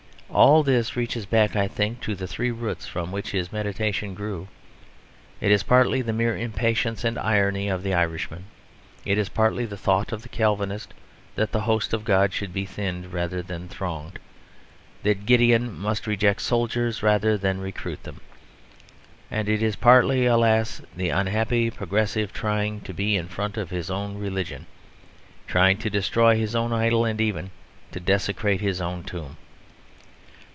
All this reaches back, I think, to the three roots from which this meditation grew. It is partly the mere impatience and irony of the Irishman. It is partly the thought of the Calvinist that the host of God should be thinned rather than thronged; that Gideon must reject soldiers rather than recruit them. And it is partly, alas, the unhappy Progressive trying to be in front of his own religion, trying to destroy his own idol and even to desecrate his own tomb.